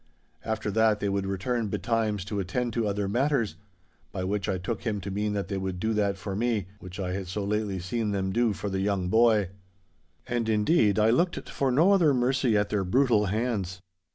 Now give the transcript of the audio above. After that they would return betimes to attend to other matters—by which I took him to mean that they would do that for me, which I had so lately seen them do for the young boy. And, indeed, I looked for no other mercy at their brutal hands.